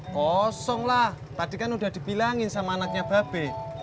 kosong lah tadi kan udah dibilangin sama anaknya babe